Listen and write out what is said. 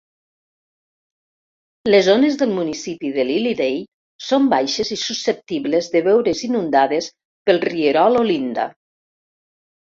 Les zones del municipi de Lilydale són baixes i susceptibles de veure's inundades pel rierol Olinda.